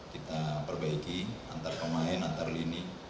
kita perbaiki antar pemain antar lini